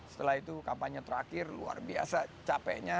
setelah itu kampanye terakhir luar biasa capeknya